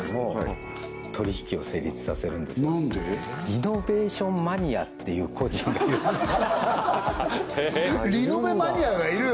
リノベーションマニアっていう個人がいるリノベマニアがいる？